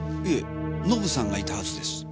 いえのぶさんがいたはずです。